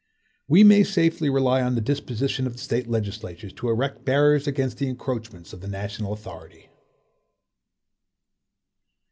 We may safely rely on the disposition of the State legislatures to erect barriers against the encroachments of the national authority.